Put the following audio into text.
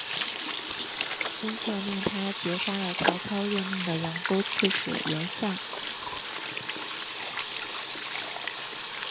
孙策命他截杀了曹操任命的扬州刺史严象。